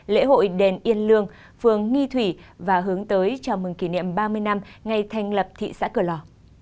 lễ hội đền yên lương phường nghi thủy và hướng tới chào mừng kỷ niệm ba mươi năm ngày thành lập thị xã cửa lò